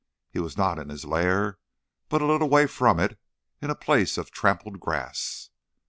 He was not in his lair, but a little way from it in a place of trampled grass.